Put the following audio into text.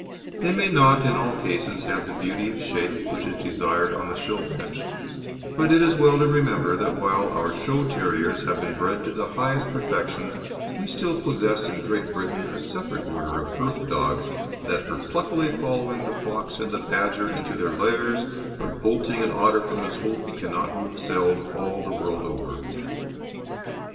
They may not in all cases have the beauty of shape which is desired on the show bench; but it is well to remember that while our show terriers have been bred to the highest perfection we still possess in Great Britain a separate order of "earth dogs" that for pluckily following the fox and the badger into their lairs or bolting an otter from his holt cannot be excelled all the world over.